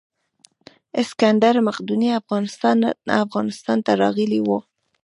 اسکندر مقدوني افغانستان ته راغلی و